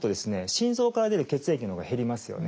心臓から出る血液のほうが減りますよね。